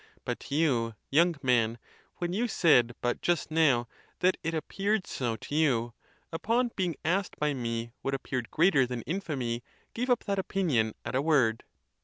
But you, young man, when you said but just now that it appeared so. to you, upon being asked by me what appeared greater than infamy, gave up that opinion at a word.